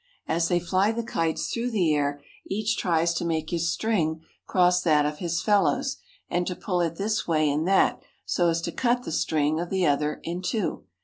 As they fly the kites through the air, each tries to make his string cross that of his fellows, and to pull it this way and that so as to cut the string of the other in two.